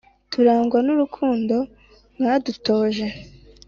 turangwa n'urukundo mwadutoje